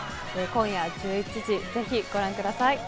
今夜１１時、ぜひご覧ください。